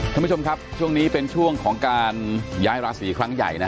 ท่านผู้ชมครับช่วงนี้เป็นช่วงของการย้ายราศีครั้งใหญ่นะ